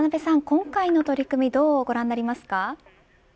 今回の取り組みどうご覧になりますか。